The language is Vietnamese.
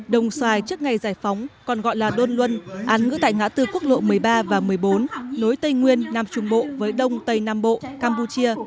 đồng xoài trước ngày giải phóng còn gọi là đôn luân án ngữ tại ngã tư quốc lộ một mươi ba và một mươi bốn nối tây nguyên nam trung bộ với đông tây nam bộ campuchia